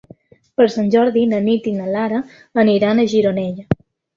Per Sant Jordi na Nit i na Lara aniran a Gironella.